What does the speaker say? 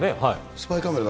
スパイカメラ。